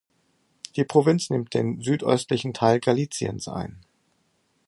Die Provinz nimmt den südöstlichen Teil Galiciens ein.